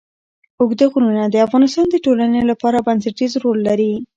اوږده غرونه د افغانستان د ټولنې لپاره بنسټيز رول لري.